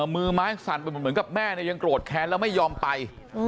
มือไม้สั่นไปเหมือนกับแม่ยังโกรธแค้นแล้วไม่ยอมไป